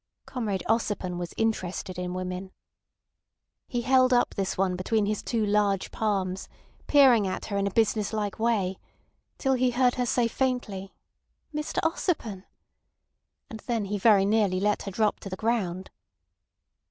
Comrade Ossipon was interested in women. He held up this one between his two large palms, peering at her in a business like way till he heard her say faintly "Mr Ossipon!" and then he very nearly let her drop to the ground.